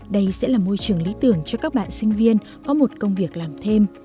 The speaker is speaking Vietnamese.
đây sẽ là môi trường lý tưởng cho các bạn sinh viên có một công việc làm thêm